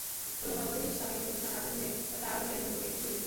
রোনালদোরই সাবেক সতীর্থ কাকা আছেন দুয়ে, তাঁর অনুসারী দুই কোটির কিছু বেশি।